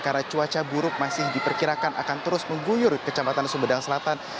karena cuaca buruk masih diperkirakan akan terus mengguyur kecamatan sumedang selatan